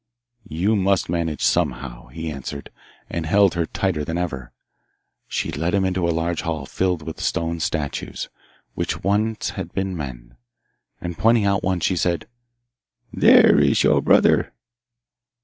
'You must manage somehow,' he answered, and held her tighter than ever. She led him into a large hall filled with stone statues, which once had been men, and, pointing out one, she said, 'There is your brother.